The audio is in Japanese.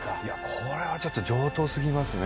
これはちょっと上等すぎますね。